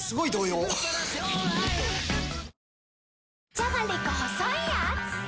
じゃがりこ細いやーつ